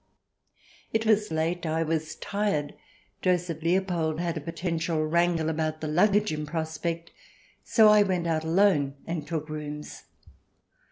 It was late. I was tired. Joseph Leopold had a potential wrangle about the luggage in prospect, and so I went out alone and took rooms.